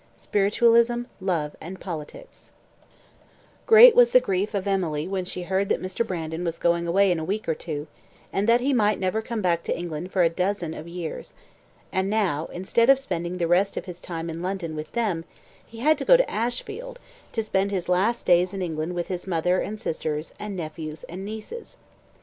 Spiritualism, Love, And Politics Great was the grief of Emily when she heard that Mr. Brandon was going away in a week or two, and that he might never come back to England for a dozen of years; and now, instead of spending the rest of his time in London with them, he had to go to Ashfield, to spend his last days in England with his mother and sisters and nephews and nieces.